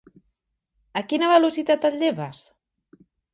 A quina velocitat et lleves?